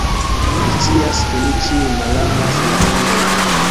Mi scias, ke ni ĉiuj malamas la anglan